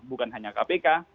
bukan hanya kpk